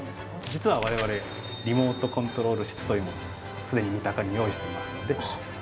実は我々リモートコントロール室というものを既に三鷹に用意していますので。